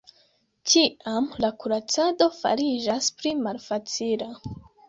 Tiam la kuracado fariĝas pli malfacila.